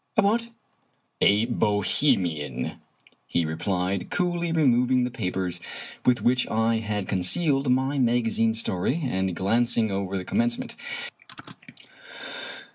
"A what?" " A Bohemian," he repeated, coolly removing the papers with which I had concealed my magazine story, and glanc ing over the commencement.